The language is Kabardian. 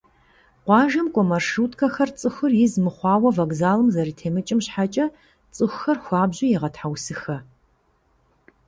Къуажэм кӏуэ маршруткэхэм цӏыхур из мыхъуауэ вокзалым зэрытемыкӏым щхьэкӏэ цӏыхухэр хуабжьу егъэтхьэусыхэ.